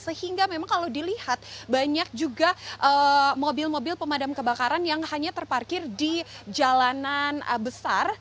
sehingga memang kalau dilihat banyak juga mobil mobil pemadam kebakaran yang hanya terparkir di jalanan besar